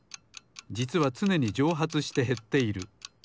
じつはつねにじょうはつしてへっている。